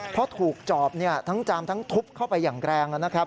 เพราะถูกจอบทั้งจามทั้งทุบเข้าไปอย่างแรงนะครับ